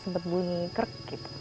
sempat bunyi kerik gitu